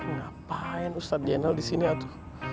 ngapain ustadz jenal disini atu